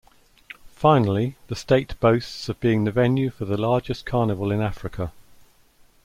Finally, the state boasts of being the venue for the largest carnival in Africa.